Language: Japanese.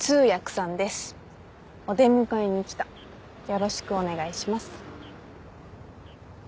よろしくお願いします。